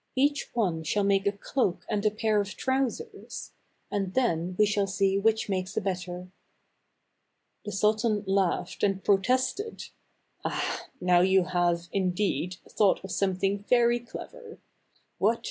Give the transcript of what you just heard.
Each one shall make a cloak and a pair of trousers ; and then we shall see which makes the better." The sultan laughed and protested, " Ah ! now you have, indeed, thought of something very clever. What